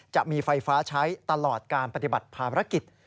จะมีไฟฟ้าใช้ตลอดการปฏิบัติภารกิจ